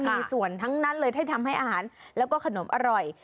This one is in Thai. มีส่วนทั้งนั้นเลยที่ทำให้อาหารแล้วก็ขนมอร่อย